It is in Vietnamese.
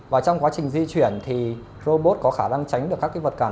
và trong quá trình di chuyển thì robot có khả năng tránh được các cái vật cản